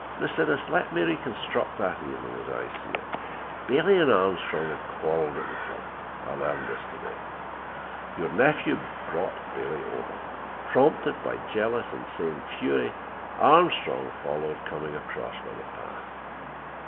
Miss Innes, let me reconstruct that evening, as I see it. Bailey and Armstrong had quarreled at the club. I learned this to day. Your nephew brought Bailey over. Prompted by jealous, insane fury, Armstrong followed, coming across by the path.